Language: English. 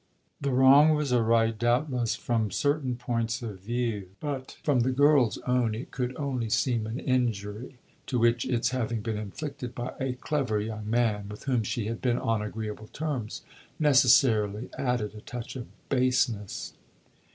The wrong was a right, doubtless, from certain points of view; but from the girl's own it could only seem an injury to which its having been inflicted by a clever young man with whom she had been on agreeable terms, necessarily added a touch of baseness.